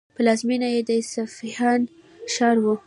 پلازمینه یې د اصفهان ښار و.